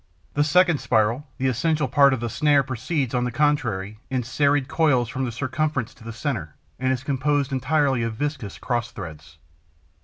The second spiral, the essential part of the snare, proceeds, on the contrary, in serried coils from the circumference to the centre and is composed entirely of viscous cross threads.